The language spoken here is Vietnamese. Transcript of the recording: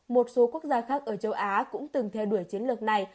một số quốc gia khác ở châu á cũng từng theo đuổi chiến lược này